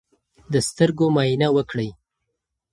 د سترګو معاینه وکړئ.